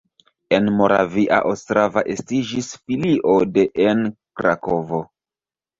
En Moravia Ostrava estiĝis filio de en Krakovo.